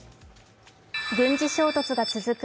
軍事衝突が続く